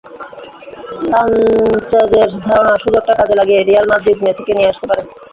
সানচেজের ধারণা, সুযোগটা কাজে লাগিয়ে রিয়াল মাদ্রিদ মেসিকে নিয়ে আসতে পারে।